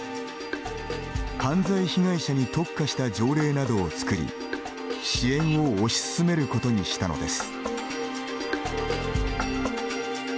犯罪被害者に特化した条例などをつくり支援を推し進めることにしたのです。